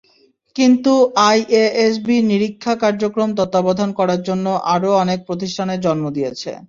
কিন্তু আইএএসবি নিরীক্ষা কার্যক্রম তত্ত্বাবধান করার জন্য আরও অনেক প্রতিষ্ঠানের জন্ম দিয়েছে।